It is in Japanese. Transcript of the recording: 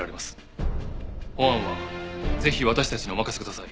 本案はぜひ私たちにお任せください。